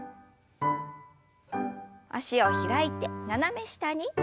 脚を開いて斜め下に。